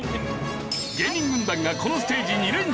芸人軍団がこのステージ２連勝！